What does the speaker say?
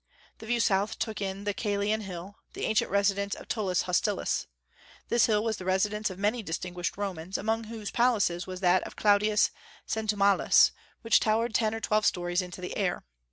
The view south took in the Caelian Hill, the ancient residence of Tullus Hostilius. This hill was the residence of many distinguished Romans, among whose palaces was that of Claudius Centumalus, which towered ten or twelve stories into the air.